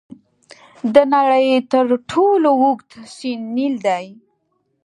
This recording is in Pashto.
د نړۍ تر ټولو اوږد سیند نیل دی.